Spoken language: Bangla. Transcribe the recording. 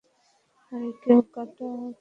আরে কেউ কাটা তো বলো?